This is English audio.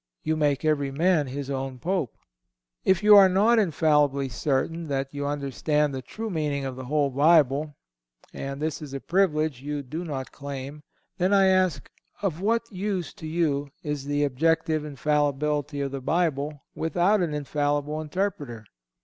You make every man his own Pope. If you are not infallibly certain that you understand the true meaning of the whole Bible—and this is a privilege you do not claim—then, I ask, of what use to you is the objective infallibility of the Bible without an infallible interpreter?